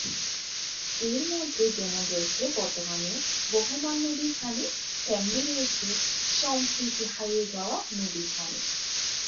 এর মধ্যে যেমন রয়েছে বর্তমানে বহমান নদীর পানি, তেমনি রয়েছে সম্প্রতি হারিয়ে যাওয়া নদীর পানি।